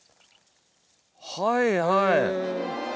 はいはい。